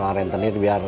kalau soal rentenir biar